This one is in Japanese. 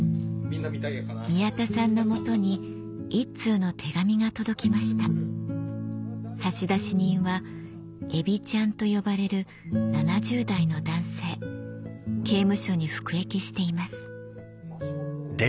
宮田さんの元に１通の手紙が届きました差出人は「エビちゃん」と呼ばれる７０代の男性刑務所に服役しています